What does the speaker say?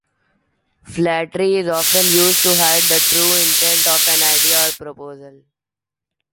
Flattery is often used to hide the true intent of an idea or proposal.